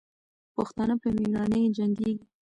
پښتانه په میړانې جنګېږي.